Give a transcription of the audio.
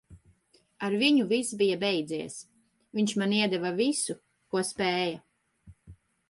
Ar viņu viss bija beidzies. Viņš man iedeva visu, ko spēja.